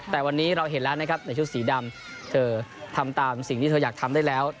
แต่วันนี้เราเห็นแล้วนะครับในชุดสีดำเธอทำตามสิ่งที่เธออยากทำได้แล้ว